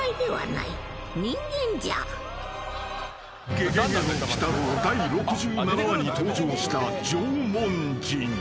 ［『ゲゲゲの鬼太郎』第６７話に登場した］